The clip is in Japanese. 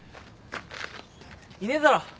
いねえだろ。